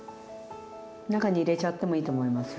中に入れちゃってもいいと思いますよ。